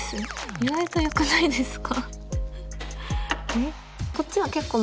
意外とよくないですか？